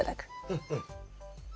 うんうん。